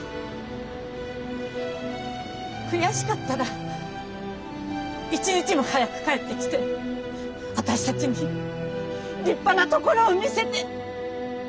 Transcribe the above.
悔しかったら一日も早く帰ってきて私たちに立派なところを見せて！